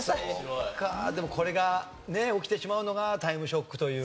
でもこれがね起きてしまうのが『タイムショック』という。